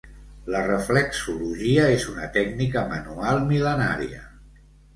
La reflexologia és una tècnica manual mil·lenària.